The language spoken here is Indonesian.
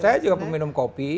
saya juga peminum kopi